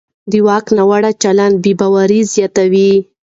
د واک ناوړه چلند بې باوري زیاتوي